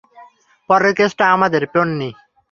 পরের কেসটা আমাদের, পোন্নি।